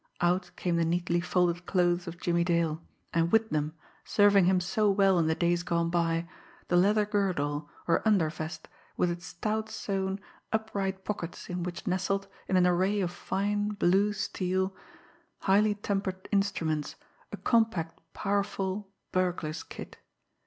Out came the neatly folded clothes of Jimmie Dale; and with them, serving him so well in the days gone by, the leather girdle, or undervest, with its stout sewn, upright pockets in which nestled, in an array of fine, blue steel, highly tempered instruments, a compact powerful burglar's kit.